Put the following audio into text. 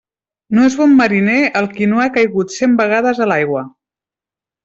No és bon mariner el qui no ha caigut cent vegades a l'aigua.